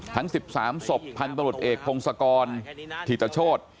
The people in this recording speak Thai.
ทั้ง๑๓ศพพันธุ์ประหลุดเอกพงศกรถีตโชฑ